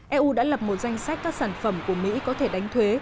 eu đã lập một danh sách các sản phẩm của mỹ có thể đánh thuế